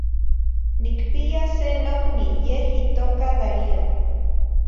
Nicpiya ce nocni, yeh itoca Darío